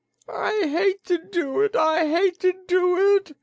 "I hate to do it I hate to do it!"